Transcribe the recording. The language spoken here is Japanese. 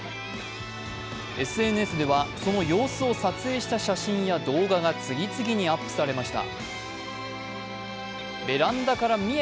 ＳＮＳでは、その様子を撮影した写真や動画が次々にアップされました。